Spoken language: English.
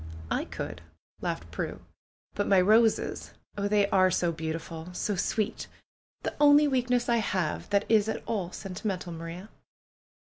"I could," laughed Prue. "But my roses ! Oh, they are so beautiful ! So sweet ! The only weakness I have that is at all sentimental, Maria